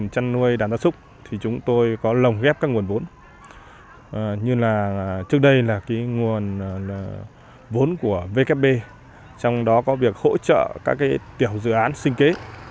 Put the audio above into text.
trước đây là nguồn vốn của vkp trong đó có việc hỗ trợ các tiểu dự án sinh kế